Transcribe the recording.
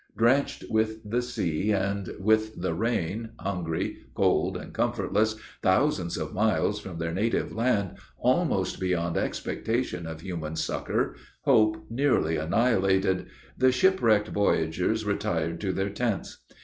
Drenched with the sea and with the rain, hungry, cold, and comfortless, thousands of miles from their native land, almost beyond expectation of human succor, hope nearly annihilated, the shipwrecked voyagers retired to their tents.